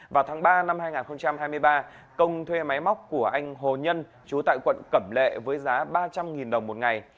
vào tháng ba năm hai nghìn hai mươi ba công thuê máy móc của anh hồ nhân chú tại quận cẩm lệ với giá ba trăm linh đồng một ngày